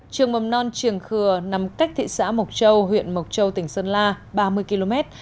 trường mầm non triềng khừa nằm cách thị xã mộc châu huyện mộc châu tỉnh sơn la ba mươi km